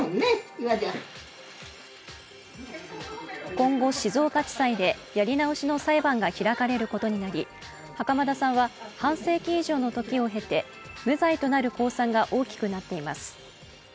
今後、静岡地裁でやり直しの裁判が開かれることになり袴田さんは半世紀以上の時を経て無罪となる公算が大きくなっています。